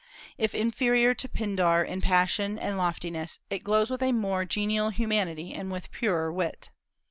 If inferior to Pindar in passion and loftiness, it glows with a more genial humanity and with purer wit.